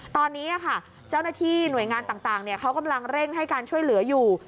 ตอนนี้เจ้าหน้าที่หน่วยงานต่างเขากำลังเร่งให้การช่วยเหลืออยู่